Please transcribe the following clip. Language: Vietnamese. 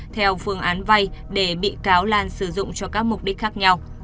theo phương án vay để bị cáo lan sử dụng cho các mục đích khác nhau